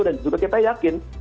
dan juga kita yakin